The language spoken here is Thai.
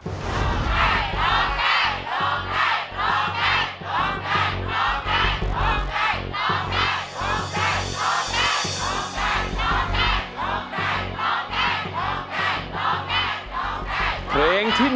โทษให้โทษให้โทษให้โทษให้